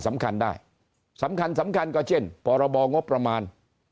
สำคัญได้สำคัญสำคัญก็เช่นพรบงบประมาณ